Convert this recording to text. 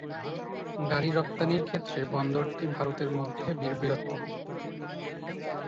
গাড়ি রপ্তানির ক্ষেত্রে বন্দরটি ভারতের মধ্যে বৃহত্তম।